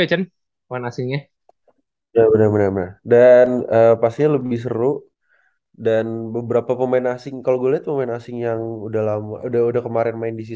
ya cen pemain asingnya dan pastinya lebih seru dan beberapa pemain asing kalau gua lihat pemain asing yang udah kemarin main disitu ya